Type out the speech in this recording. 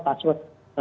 pada data dasar